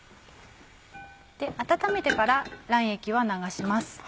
温めてから卵液は流します。